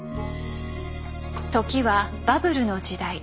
時はバブルの時代。